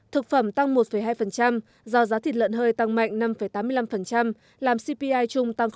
thực phẩm tăng một hai do giá thịt lợn hơi tăng mạnh năm tám mươi năm làm cpi chung tăng hai mươi năm